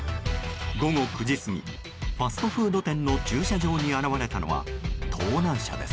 午後９時過ぎファストフード店の駐車場に現れたのは盗難車です。